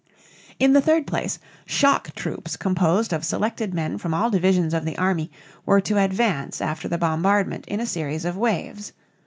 In the third place, "shock" troops composed of selected men from all divisions of the army, were to advance after the bombardment, in a series of "waves."